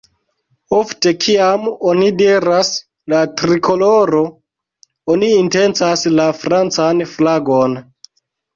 Ofte kiam oni diras "la trikoloro", oni intencas la francan flagon.